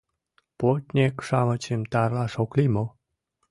— Плотньык-шамычым тарлаш ок лий мо?